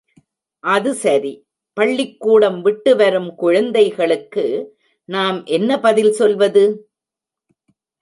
அது சரி, பள்ளிக்கூடம் விட்டு வரும் குழந்தைகளுக்கு நாம் என்ன பதில் சொல்வது?